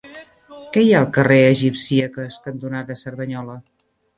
Què hi ha al carrer Egipcíaques cantonada Cerdanyola?